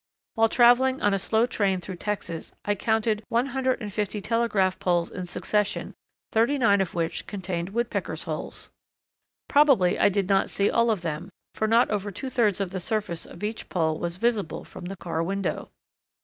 While travelling on a slow train through Texas I counted one hundred and fifty telegraph poles in succession, thirty nine of which contained Woodpeckers' holes. Probably I did not see all of them, for not over two thirds of the surface of each pole was visible from the car window.